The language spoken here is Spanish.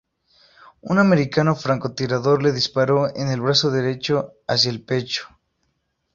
Un americano francotirador le disparó en el brazo derecho hacia el pecho.